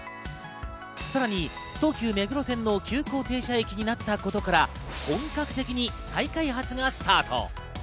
さらに東急目黒線の急行停車駅になったことから本格的に再開発がスタート。